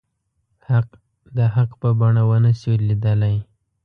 حق د حق په بڼه ونه شي ليدلی.